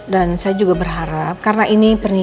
dan saya juga berharap karena ini pernikahan